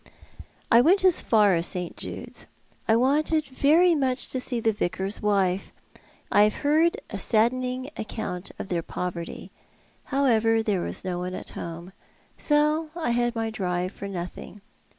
" I went as far as St. Jude's. I wantc 1 very much to see the Vicar's wife. I have heard a saddening account of their poverty. However, there was no one at home, so I had my drive for nothing."